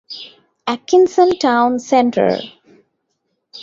Atkinson Town Centre.